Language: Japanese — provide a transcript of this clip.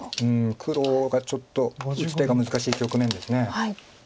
黒がちょっと打つ手が難しい局面です。